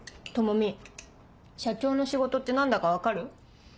知美社長の仕事って何だか分かる？